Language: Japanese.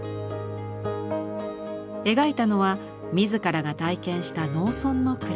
描いたのは自らが体験した農村の暮らし。